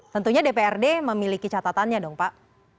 tentunya dprd memiliki catatannya dong pak